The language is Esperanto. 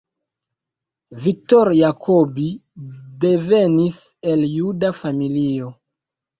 Viktor Jacobi devenis el juda familio.